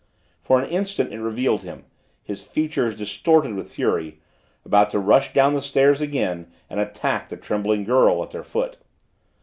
For an instant it revealed him his features distorted with fury about to rush down the stairs again and attack the trembling girl at their foot.